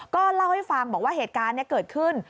ก็เล่าให้ฟังบอกว่าเหตุการณ์เกิดขึ้น